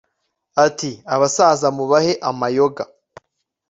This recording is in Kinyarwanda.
Ati Abasaza mubahe amayoga